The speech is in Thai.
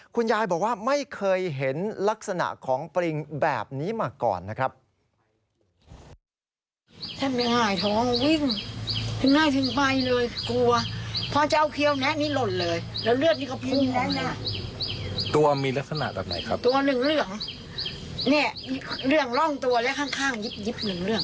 คุณยายบอกว่าไม่เคยเห็นลักษณะของปริงแบบนี้มาก่อนนะครับ